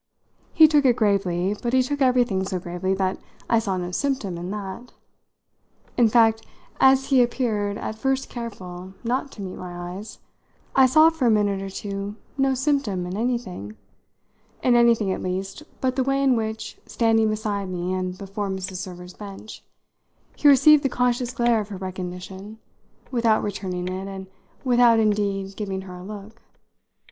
He took it gravely, but he took everything so gravely that I saw no symptom in that. In fact, as he appeared at first careful not to meet my eyes, I saw for a minute or two no symptom in anything in anything, at least, but the way in which, standing beside me and before Mrs. Server's bench, he received the conscious glare of her recognition without returning it and without indeed giving her a look.